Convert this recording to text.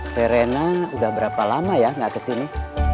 sere na udah berapa lama ya nggak kesini